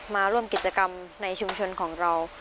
มาร่วมกิจกรรมในชุมชนของเรา